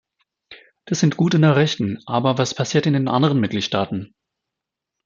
Das sind gute Nachrichten, aber was passiert in den anderen Mitgliedstaaten?